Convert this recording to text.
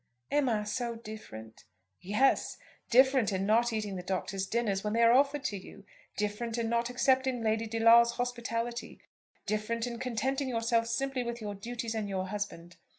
"Am I so different?" "Yes; different in not eating the Doctor's dinners when they are offered to you; different in not accepting Lady De Lawle's hospitality; different in contenting yourself simply with your duties and your husband.